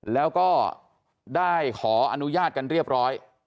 แล้วก็ได้ขออนุญาตกันเรียบร้อย